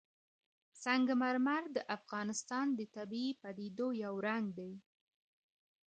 سنگ مرمر د افغانستان د طبیعي پدیدو یو رنګ دی.